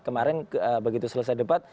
kemarin begitu selesai debat